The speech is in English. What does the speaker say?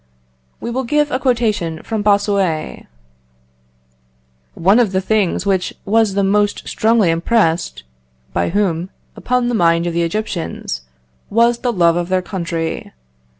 We will give a quotation from Bossuet: "One of the things which was the most strongly impressed (by whom?) upon the mind of the Egyptians, was the love of their country....